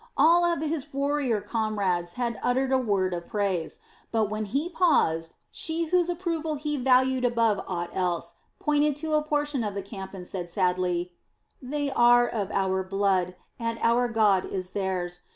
All of his warrior comrades had uttered a word of praise; but when he paused she whose approval he valued above aught else, pointed to a portion of the camp and said sadly: "They are of our blood, and our God is theirs.